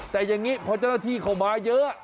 แต่อย่างนี้พอเจ้าหน้าที่เข้ามาเยอะ